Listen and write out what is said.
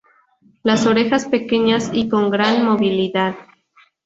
Las orejas pequeñas y con gran movilidad.